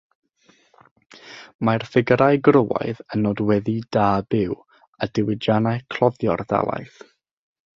Mae'r ffigyrau gwrywaidd yn nodweddu da byw a diwydiannau cloddio'r dalaith.